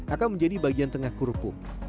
akan menjadi bagian tengah kerupuk